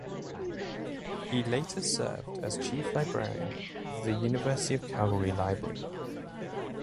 He later served as chief librarian of the University of Calgary Library.